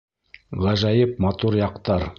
Ғәжәйеп матур яҡтар.